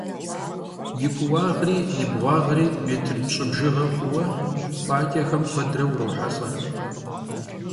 Yi kuuağri yi bğuağri mêtr pş'ı bjjığe xhuue khuaç'exem kuedre vurohelh'e.